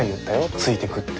ついてくって。